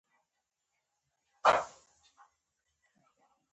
زمونږ ژوند ډیر ښه دې